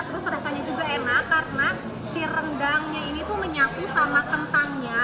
terus rasanya juga enak karena si rendangnya ini tuh menyapu sama kentangnya